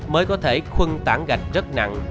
mới có thể khuân tán gạch rất nặng